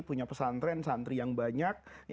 punya pesantren santri yang banyak